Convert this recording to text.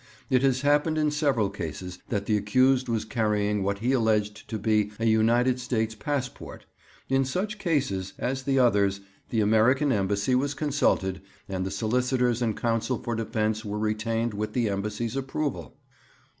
It has happened in several cases that the accused was carrying what he alleged to be a United States passport. In such cases, as the others, the American Embassy was consulted, and the solicitors and counsel for defence were retained with the Embassy's approval.